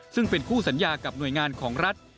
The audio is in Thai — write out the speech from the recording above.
ซึ่งเป็นคู่สัญญากับหน่วยงานของรัฐ